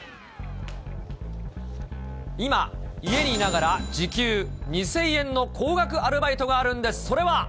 今、家にいながら時給２０００円の高額アルバイトがあるんです。